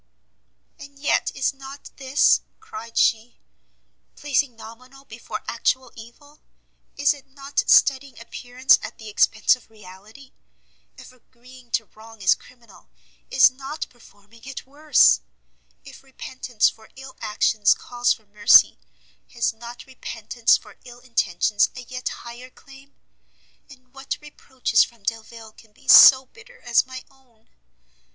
"And yet is not this," cried she, "placing nominal before actual evil? Is it not studying appearance at the expence of reality? If agreeing to wrong is criminal, is not performing it worse? If repentance for ill actions calls for mercy, has not repentance for ill intentions a yet higher claim? And what reproaches from Delvile can be so bitter as my own?